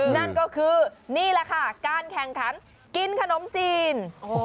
นั่นก็คือนี่แหละค่ะการแข่งขันกินขนมจีน